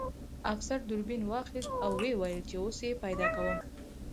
افسر دوربین واخیست او ویې ویل چې اوس یې پیدا کوم